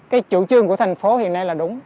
cái chủ trương của thành phố hiện nay là đúng